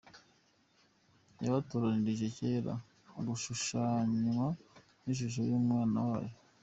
yabatoranirije kera gushushanywa n’ishusho y’Umwana wayo.